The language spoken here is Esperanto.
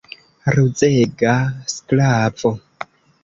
Ruzega sklavo!